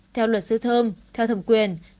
theo luật sư thơm theo thầm quyền